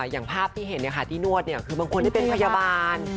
อย่างภาพที่เห็นที่นวดคือบางคนได้เป็นพยาบาล